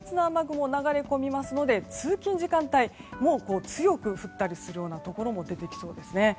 朝にかけて、やや活発な雨雲が流れ込みますので通勤時間帯も強く降ったりするようなところも出てきそうですね。